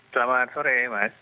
selamat sore mas